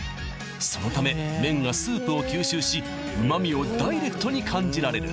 そのため麺がスープを吸収し旨みをダイレクトに感じられる